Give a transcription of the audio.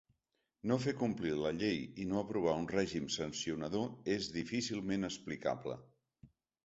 No fer complir la llei i no aprovar un règim sancionador és difícilment explicable.